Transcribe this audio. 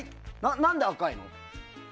何で赤いの？